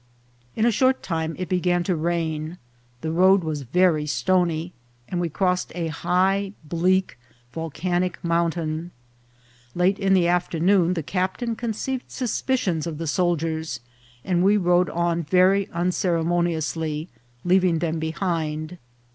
In a short time it began to rain ; the road was very stony, and we crossed a high, bleak volcanic mountain. Late in the afternoon the captain conceived suspicions of the soldiers, and we rode on very unceremoniously, leaving them behind.